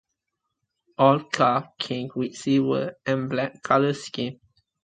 All cars came with a silver and black colour scheme.